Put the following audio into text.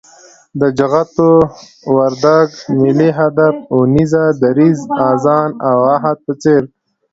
د جغتو، وردگ، ملي هدف اونيزه، دريځ، آذان او عهد په څېر